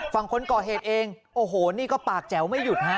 ฝั่งคนก่อเหตุเองโอ้โหนี่ก็ปากแจ๋วไม่หยุดฮะ